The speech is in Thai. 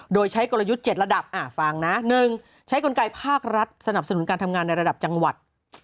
โดยใช้กลยุทธ์๗ระดับฟังนะ๑ใช้กลไกภาครัฐสนับสนุนการทำงานในระดับจังหวัด